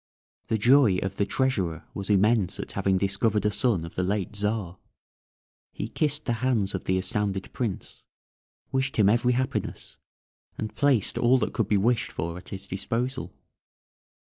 The joy of the Treasurer was immense at having discovered a son of the late Czar; he kissed the hands of the astounded prince, wished him every happiness, and placed all that could be wished for at his disposal.